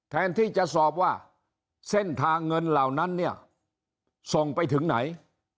แทนที่จะสอบว่าเส้นทางเงินเหล่านั้นเนี่ยส่งไปถึงไหน